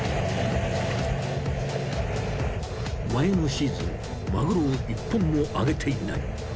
前のシーズンマグロを１本も揚げていない。